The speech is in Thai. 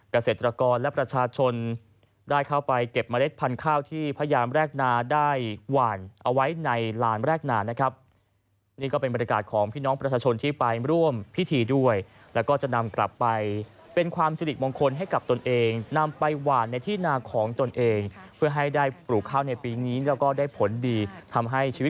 เกษตรกรและประชาชนเข้าไปเก็บเมล็ดพันธุ์ข้าว